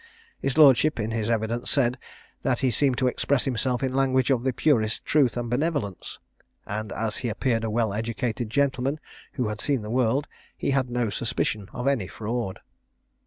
His lordship in his evidence said, that he seemed to express himself in language of the purest truth and benevolence; and as he appeared a well educated gentleman, who had seen the world, he had no suspicion of any fraud.